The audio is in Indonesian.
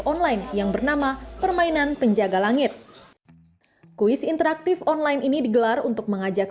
online yang bernama permainan penjaga langit kuis interaktif online ini digelar untuk mengajak